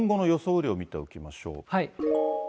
雨量見ておきましょう。